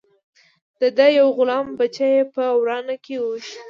د ده یو غلام بچه یې په ورانه کې وويشت.